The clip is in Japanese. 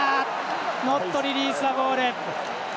ノットリリースザボール。